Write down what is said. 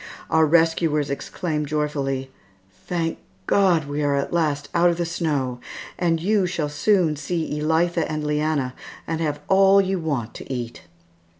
Our rescuers exclaimed joyfully, "Thank God, we are at last out of the snow, and you shall soon see Elitha and Leanna, and have all you want to eat."